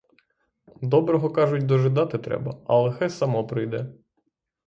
Доброго, кажуть, дожидати треба, а лихе — само прийде.